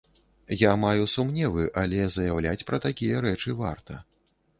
Я маю сумневы, але заяўляць пра такія рэчы варта.